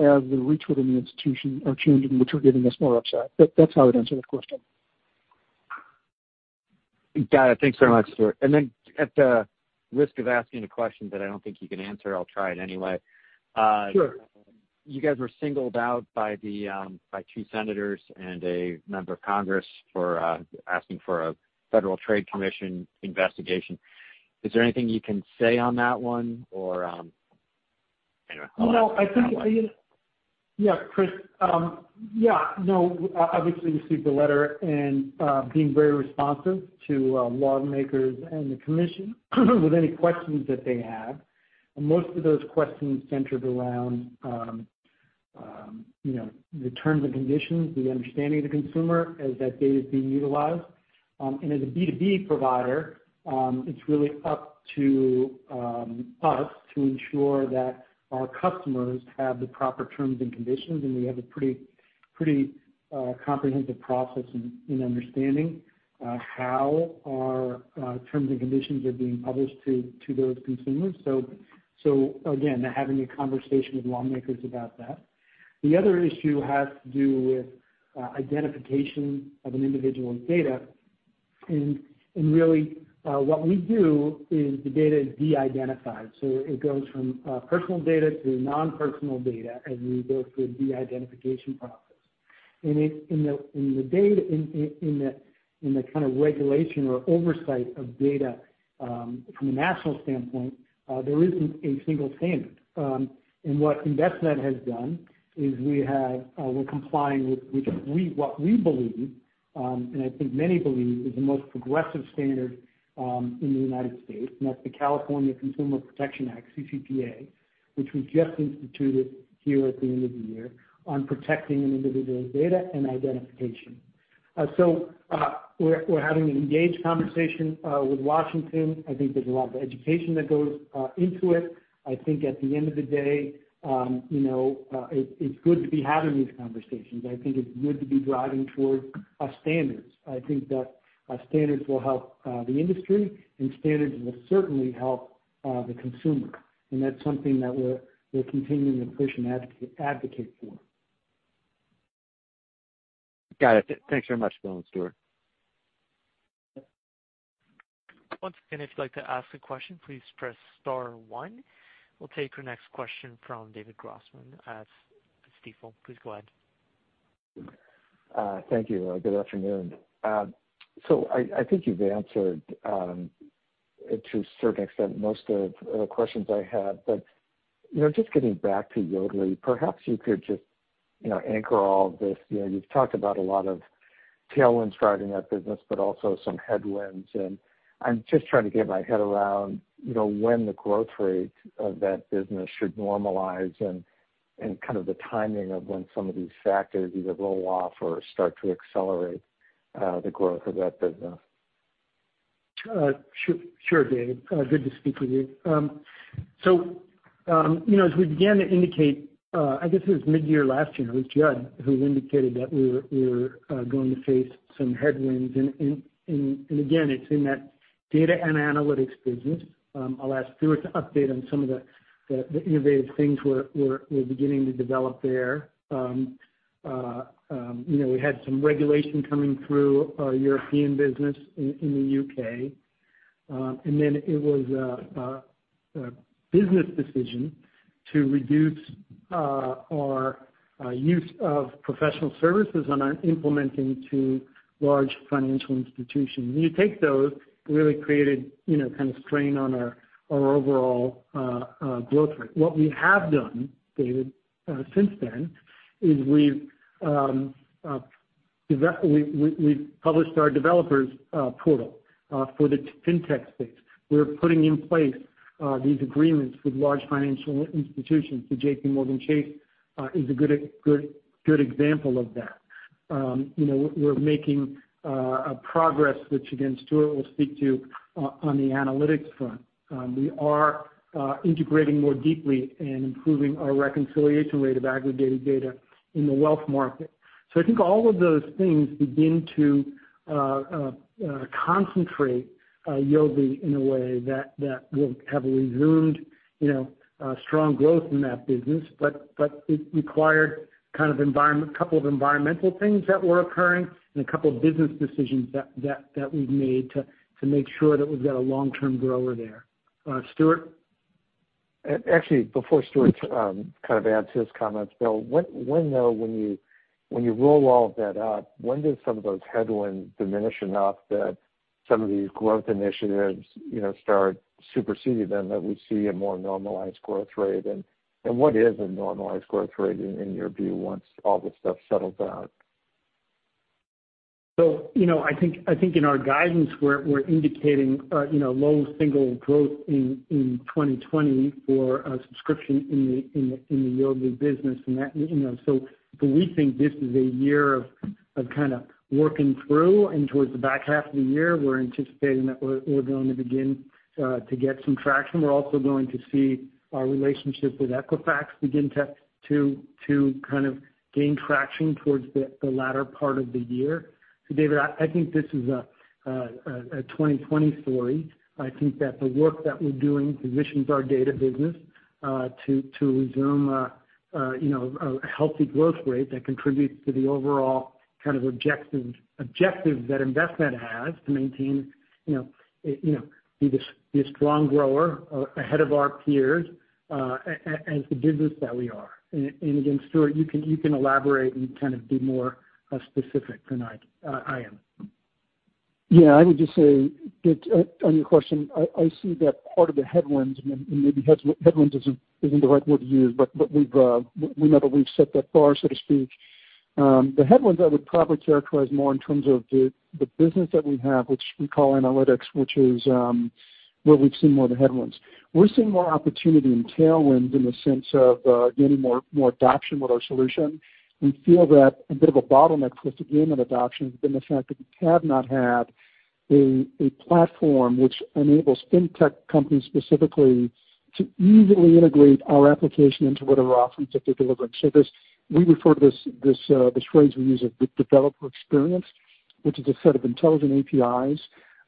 as the reach within the institution are changing, which are giving us more upside. That's how I'd answer that question. Got it. Thanks very much, Stuart. At the risk of asking a question that I don't think you can answer, I'll try it anyway. Sure. You guys were singled out by two senators and a member of Congress for asking for a Federal Trade Commission investigation. Is there anything you can say on that one? Yeah, Chris. Obviously, received the letter and being very responsive to lawmakers and the commission with any questions that they have. Most of those questions centered around the terms and conditions, the understanding of the consumer as that data is being utilized. As a B2B provider, it's really up to us to ensure that our customers have the proper terms and conditions, and we have a pretty comprehensive process in understanding how our terms and conditions are being published to those consumers. Again, having a conversation with lawmakers about that. The other issue has to do with identification of an individual's data. Really, what we do is the data is de-identified. It goes from personal data to non-personal data as we go through a de-identification process. In the regulation or oversight of data from a national standpoint, there isn't a single standard. What Envestnet has done is we're complying with what we believe, and I think many believe, is the most progressive standard in the United States, and that's the California Consumer Protection Act, CCPA, which we've just instituted here at the end of the year on protecting an individual's data and identification. We're having an engaged conversation with Washington. I think there's a lot of education that goes into it. I think at the end of the day, it's good to be having these conversations. I think it's good to be driving towards standards. I think that standards will help the industry, and standards will certainly help the consumer. That's something that we're continuing to push and advocate for. Got it. Thanks very much, Bill and Stuart. Once again, if you'd like to ask a question, please press star one. We'll take our next question from David Grossman at Stifel. Please go ahead. Thank you. Good afternoon. I think you've answered, to a certain extent, most of the questions I had. Just getting back to Yodlee, perhaps you could just anchor all of this. You've talked about a lot of tailwinds driving that business, but also some headwinds. I'm just trying to get my head around when the growth rate of that business should normalize and the timing of when some of these factors either roll off or start to accelerate the growth of that business. Sure, David. Good to speak with you. As we began to indicate, I guess it was mid-year last year, it was Jud who indicated that we were going to face some headwinds. Again, it's in that Data & Analytics business. I'll ask Stuart to update on some of the innovative things we're beginning to develop there. We had some regulation coming through our European business in the U.K. and then it was a business decision to reduce our use of professional services on our implementing to large financial institutions. When you take those, really created strain on our overall growth rate. What we have done, David, since then, is we've published our developers portal for the fintech space. We're putting in place these agreements with large financial institutions. JPMorgan Chase is a good example of that. We're making progress, which again, Stuart will speak to on the analytics front. We are integrating more deeply and improving our reconciliation rate of aggregated data in the wealth market. I think all of those things begin to concentrate Yodlee in a way that will have a resumed strong growth in that business. It required a couple of environmental things that were occurring and a couple of business decisions that we've made to make sure that we've got a long-term grower there. Stuart? Actually, before Stuart adds his comments, Bill, when you roll all of that up, when do some of those headwinds diminish enough that some of these growth initiatives start superseding them, that we see a more normalized growth rate? What is a normalized growth rate in your view, once all this stuff settles out? I think in our guidance, we're indicating low single growth in 2020 for a subscription in the Yodlee business. We think this is a year of working through, and towards the back half of the year, we're anticipating that we're going to begin to get some traction. We're also going to see our relationship with Equifax begin to gain traction towards the latter part of the year. David, I think this is a 2020 story. I think that the work that we're doing positions our data business to resume a healthy growth rate that contributes to the overall objective that Envestnet has to be a strong grower ahead of our peers as the business that we are. Again, Stuart, you can elaborate and be more specific than I am. Yeah, I would just say that on your question, I see that part of the headwinds, and maybe headwinds isn't the right word to use, but we know that we've set that bar, so to speak. The headwinds I would probably characterize more in terms of the business that we have, which we call analytics, which is where we've seen more of the headwinds. We're seeing more opportunity and tailwinds in the sense of getting more adoption with our solution. We feel that a bit of a bottleneck with the demand adoption has been the fact that we have not had a platform which enables fintech companies specifically to easily integrate our application into whatever offerings that they're delivering. We refer to this, the phrase we use, the developer experience, which is a set of intelligent APIs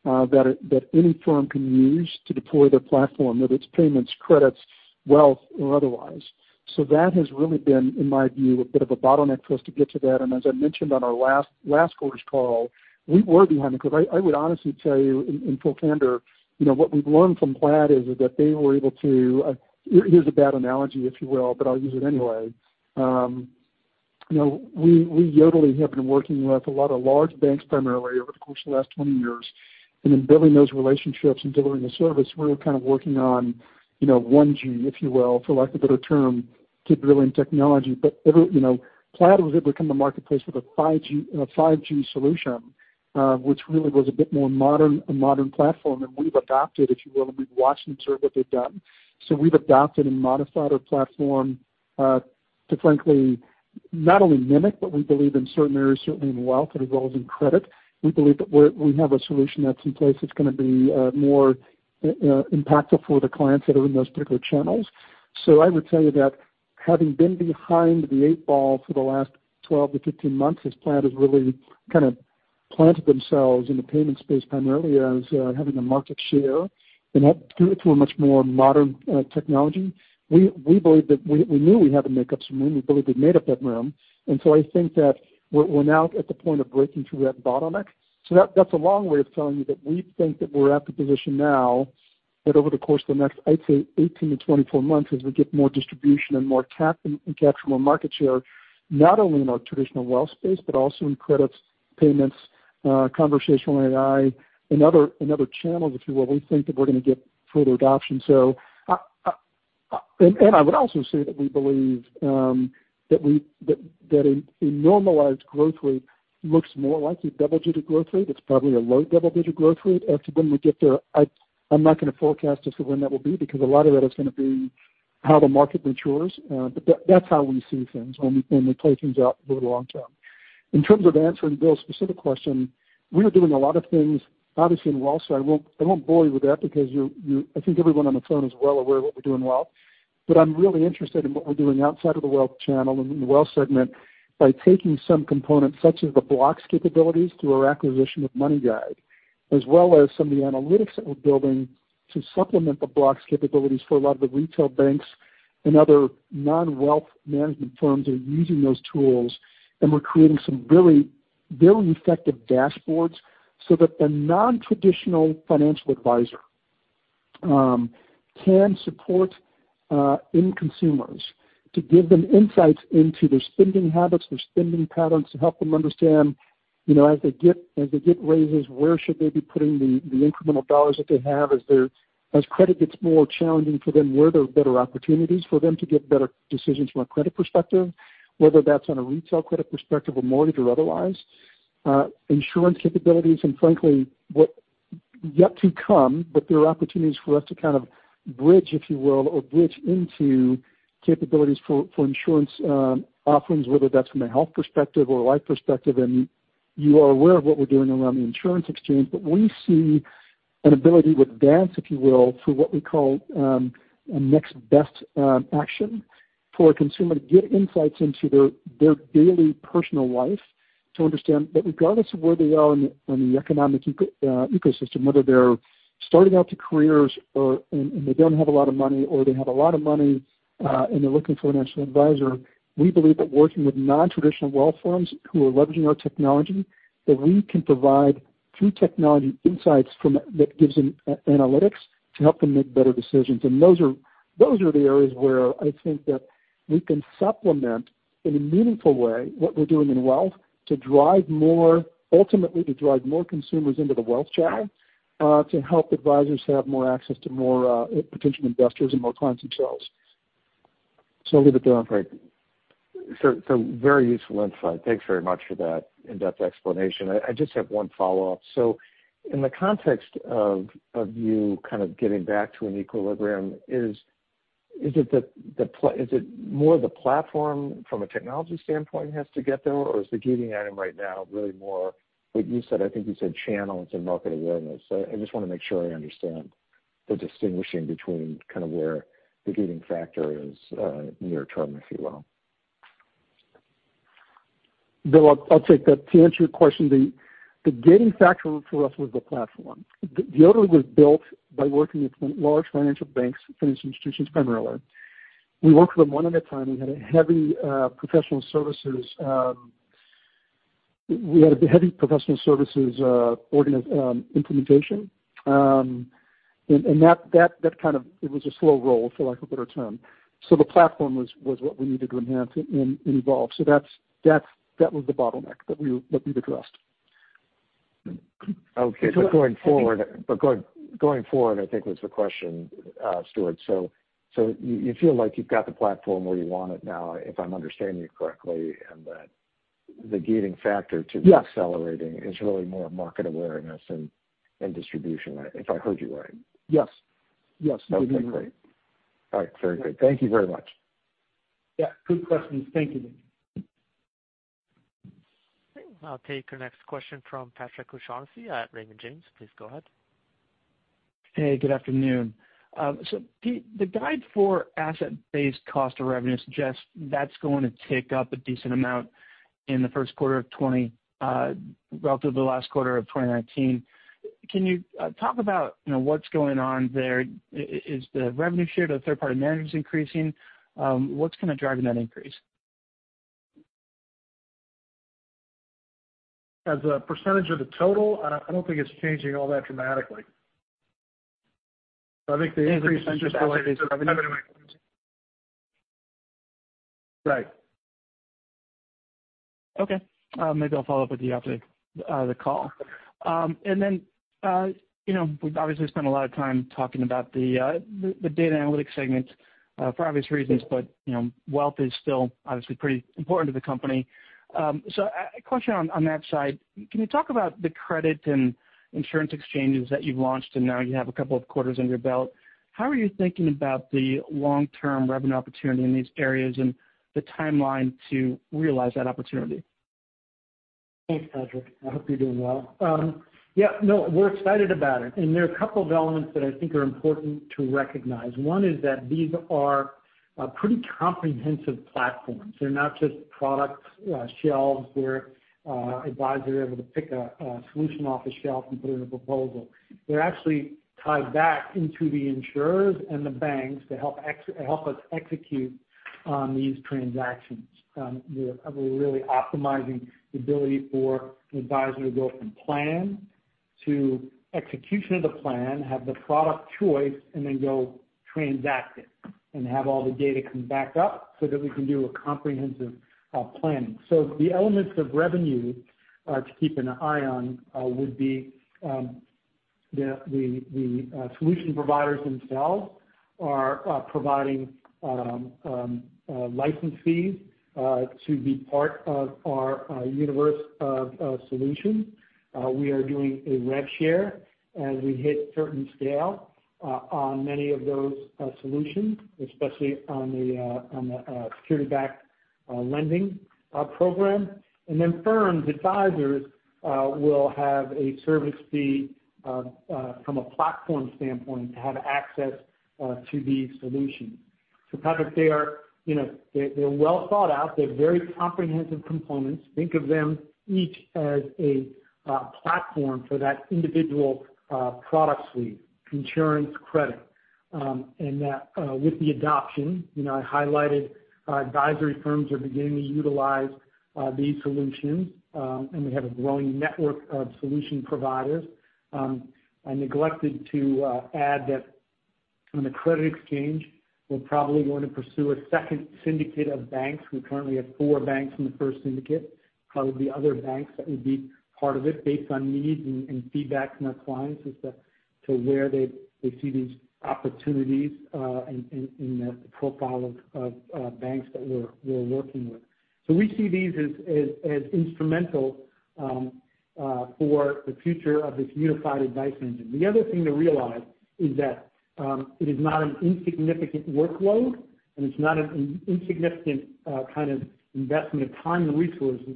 that any firm can use to deploy their platform, whether it's payments, credits, wealth, or otherwise. That has really been, in my view, a bit of a bottleneck for us to get to that. As I mentioned on our last quarter's call, we were behind because I would honestly tell you in full candor, what we've learned from Plaid is that they were able to. Here's a bad analogy, if you will, but I'll use it anyway. We Yodlee have been working with a lot of large banks primarily over the course of the last 20 years. In building those relationships and delivering a service, we're kind of working on 1G, if you will, for lack of a better term, to brilliant technology. Plaid was able to come to marketplace with a 5G solution, which really was a bit more modern platform than we've adopted, if you will, and we've watched and observed what they've done. We've adopted and modified our platform to frankly, not only mimic, but we believe in certain areas, certainly in wealth as well as in credit. We believe that we have a solution that's in place that's going to be more impactful for the clients that are in those particular channels. I would tell you that having been behind the eight ball for the last 12-15 months as Plaid has really kind of planted themselves in the payment space primarily as having a market share and through it to a much more modern technology. We knew we had to make up some room. We believe we've made up that room. I think that we're now at the point of breaking through that bottleneck. That's a long way of telling you that we think that we're at the position now that over the course of the next, I'd say 18-24 months as we get more distribution and more capital and capture more market share, not only in our traditional wealth space, but also in credits, payments, conversational AI and other channels, if you will. We think that we're going to get further adoption. I would also say that we believe that a normalized growth rate looks more like a double-digit growth rate. It's probably a low double-digit growth rate after when we get there. I'm not going to forecast as to when that will be, because a lot of that is going to be how the market matures. That's how we see things when we play things out over the long term. In terms of answering Bill's specific question, we are doing a lot of things, obviously in wealth, so I won't bore you with that because I think everyone on the phone is well aware of what we do in wealth. I'm really interested in what we're doing outside of the wealth channel and in the wealth segment by taking some components such as the Blocks capabilities through our acquisition of MoneyGuide. As well as some of the analytics that we're building to supplement the Blocks capabilities for a lot of the retail banks and other non-wealth management firms are using those tools. We're creating some really effective dashboards so that the non-traditional financial advisor can support end consumers to give them insights into their spending habits, their spending patterns, to help them understand as they get raises, where should they be putting the incremental dollars that they have as credit gets more challenging for them. Where there are better opportunities for them to get better decisions from a credit perspective, whether that's on a retail credit perspective or mortgage or otherwise. Insurance capabilities. Frankly, what yet to come, there are opportunities for us to kind of bridge, if you will, or bridge into capabilities for insurance offerings, whether that's from a health perspective or a life perspective. You are aware of what we're doing around the Insurance Exchange. We see an ability to advance, if you will, through what we call a next best action for a consumer to get insights into their daily personal life to understand that regardless of where they are in the economic ecosystem. Whether they're starting out to careers and they don't have a lot of money, or they have a lot of money and they're looking for a financial advisor. We believe that working with non-traditional wealth firms who are leveraging our technology, that we can provide through technology insights that gives them analytics to help them make better decisions. Those are the areas where I think that we can supplement in a meaningful way what we're doing in wealth to drive more, ultimately to drive more consumers into the wealth channel to help advisors have more access to more potential investors and more clients themselves. I'll leave it there. Great. Very useful insight. Thanks very much for that in-depth explanation. I just have one follow-up. In the context of you kind of getting back to an equilibrium, is it more the platform from a technology standpoint has to get there? Is the gating item right now really more what you said, I think you said channels and market awareness. I just want to make sure I understand the distinguishing between kind of where the gating factor is near term, if you will. Bill, I'll take that. To answer your question, the gating factor for us was the platform. (audio distortion) was built by working with large financial banks, financial institutions, primarily. We worked with them one at a time. We had a heavy professional services implementation. That kind of was a slow roll, for lack of a better term. The platform was what we needed to enhance and evolve. That was the bottleneck that we've addressed. Okay. Going forward, I think was the question, Stuart. You feel like you've got the platform where you want it now, if I'm understanding you correctly, and that the gating factor to. Yes. Accelerating is really more market awareness and distribution, if I heard you right? Yes. Okay, great. All right, very good. Thank you very much. Yeah, good questions. Thank you. Okay. I'll take our next question from Patrick O'Shaughnessy at Raymond James. Please go ahead. Hey, good afternoon. The guide for asset-based cost of revenue suggests that's going to tick up a decent amount in the first quarter of 2020, relative to the last quarter of 2019. Can you talk about what's going on there? Is the revenue share to third-party managers increasing? What's kind of driving that increase? As a percentage of the total, I don't think it's changing all that dramatically. I think the increase is just. (audio distortion) Right. Okay. Maybe I'll follow up with you after the call. We've obviously spent a lot of time talking about the Data & Analytics segment, for obvious reasons, but wealth is still obviously pretty important to the company. A question on that side, can you talk about the Credit and Insurance Exchanges that you've launched, and now you have a couple of quarters under your belt. How are you thinking about the long-term revenue opportunity in these areas and the timeline to realize that opportunity? Thanks, Patrick. I hope you're doing well. Yeah, no, we're excited about it. There are a couple of elements that I think are important to recognize. One is that these are pretty comprehensive platforms. They're not just product shelves where advisors are able to pick a solution off the shelf and put in a proposal. They're actually tied back into the insurers and the banks to help us execute on these transactions. We're really optimizing the ability for an advisor to go from plan to execution of the plan, have the product choice, and then go transact it, and have all the data come back up so that we can do a comprehensive planning. The elements of revenue to keep an eye on would be the solution providers themselves are providing license fees to be part of our universe of solutions. We are doing a rev share as we hit certain scale on many of those solutions, especially on the security-backed lending program. Then firms, advisors will have a service fee from a platform standpoint to have access to these solutions. Patrick, they're well thought out. They're very comprehensive components. Think of them each as a platform for that individual product suite, insurance, credit. That with the adoption, I highlighted advisory firms are beginning to utilize these solutions, and we have a growing network of solution providers. I neglected to add that on the Credit Exchange, we're probably going to pursue a second syndicate of banks. We currently have four banks in the first syndicate. Probably other banks that would be part of it based on needs and feedback from our clients as to where they see these opportunities in the profile of banks that we're working with. We see these as instrumental for the future of this unified advice engine. The other thing to realize is that it is not an insignificant workload, and it's not an insignificant kind of investment of time and resources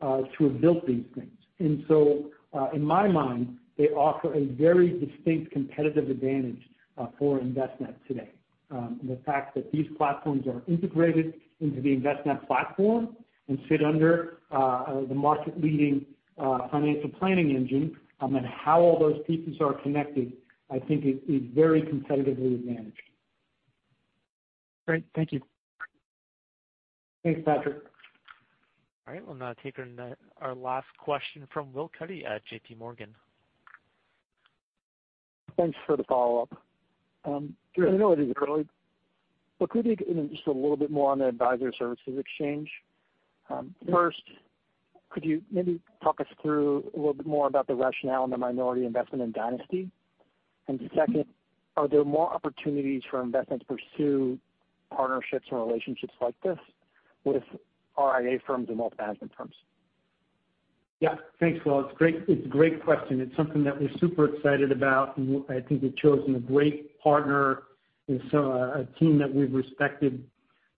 to have built these things. In my mind, they offer a very distinct competitive advantage for Envestnet today. The fact that these platforms are integrated into the Envestnet platform and sit under the market-leading financial planning engine, and how all those pieces are connected, I think is very competitively advantaged. Great. Thank you. Thanks, Patrick. All right, we'll now take our last question from Will Cuddy at JPMorgan. Thanks for the follow-up. Sure. I know it is early, could we get just a little bit more on the Advisor Services Exchange? First, could you maybe talk us through a little bit more about the rationale on the minority investment in Dynasty? Second, are there more opportunities for Envestnet to pursue partnerships or relationships like this with RIA firms and wealth management firms? Yeah. Thanks, Will. It's a great question. It's something that we're super excited about. I think we've chosen a great partner in a team that we've respected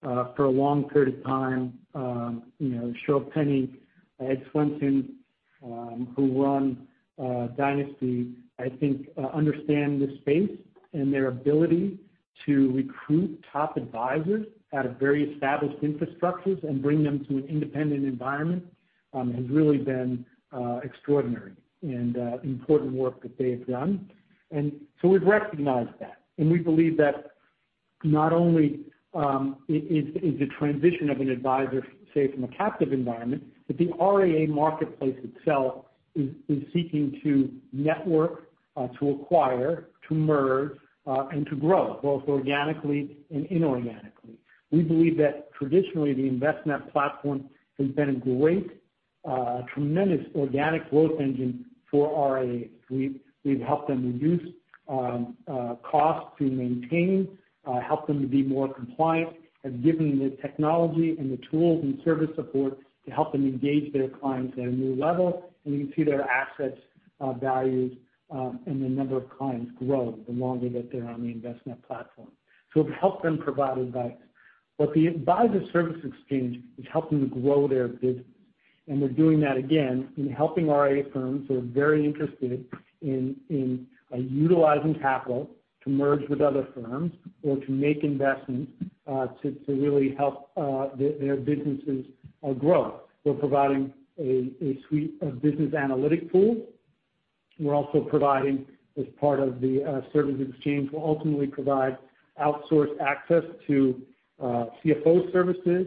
for a long period of time. Shirl Penney, Ed Swenson, who run Dynasty, I think understand the space. Their ability to recruit top advisors out of very established infrastructures and bring them to an independent environment has really been extraordinary and important work that they have done. We've recognized that. We believe that not only is the transition of an advisor safe in a captive environment, but the RIA marketplace itself is seeking to network, to acquire, to merge, and to grow, both organically and inorganically. We believe that traditionally, the Envestnet platform has been a great, tremendous organic growth engine for RIAs. We've helped them reduce costs to maintain, helped them to be more compliant, and given the technology and the tools and service support to help them engage their clients at a new level. You can see their assets, values, and the number of clients grow the longer that they're on the Envestnet platform. We've helped them provide advice. What the Advisor Services Exchange is helping to grow their business. We're doing that again in helping RIA firms who are very interested in utilizing capital to merge with other firms or to make investments to really help their businesses grow. We're providing a suite of business analytic tools. We're also providing, as part of the Service Exchange, we'll ultimately provide outsourced access to CFO services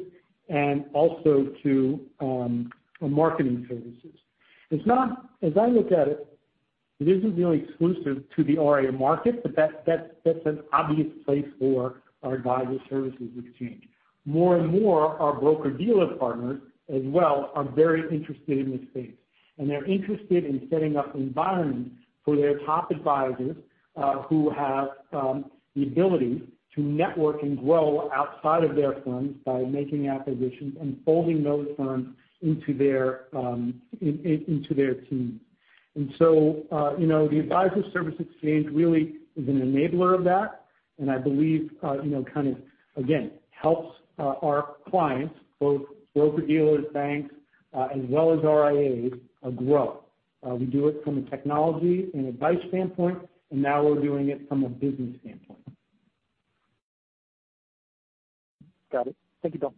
and also to marketing services. As I look at it isn't really exclusive to the RIA market, but that's an obvious place for our Advisor Services Exchange. More and more, our broker-dealer partners as well are very interested in this space, and they're interested in setting up environments for their top advisors who have the ability to network and grow outside of their firms by making acquisitions and folding those firms into their team. The Advisor Services Exchange really is an enabler of that and I believe, again, helps our clients, both broker-dealers, banks, as well as RIAs grow. We do it from a technology and advice standpoint, and now we're doing it from a business standpoint. Got it. Thank you, Bill.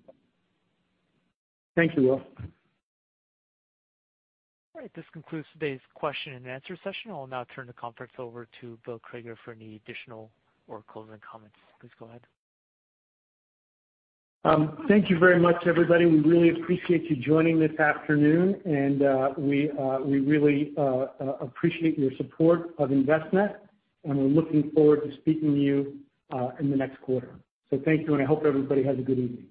Thank you, Will. All right. This concludes today's question and answer session. I will now turn the conference over to Bill Crager for any additional or closing comments. Please go ahead. Thank you very much, everybody. We really appreciate you joining this afternoon, and we really appreciate your support of Envestnet, and we're looking forward to speaking to you in the next quarter. Thank you, and I hope everybody has a good evening.